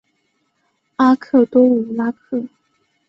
阿克多武拉克。